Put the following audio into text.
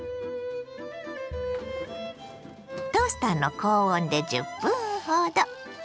トースターの高温で１０分ほど。